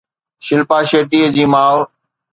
شلپا شيٽي جي ماءُ